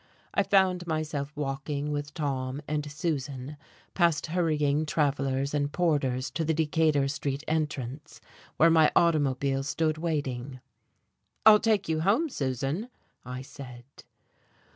I found myself walking with Tom and Susan past hurrying travellers and porters to the Decatur Street entrance, where my automobile stood waiting. "I'll take you home, Susan," I said.